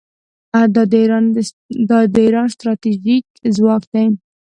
دا د ایران ستراتیژیک ځواک دی.